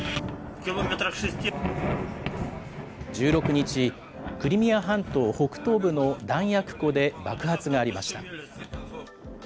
１６日、クリミア半島北東部の弾薬庫で爆発がありました。